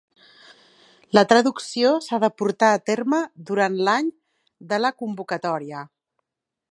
La traducció s'ha de portar a terme durant l'any de la convocatòria.